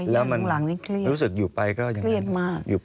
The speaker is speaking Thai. แล้วมันรู้สึกอยู่ไปก็อย่างนั้น